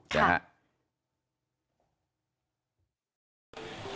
ครับ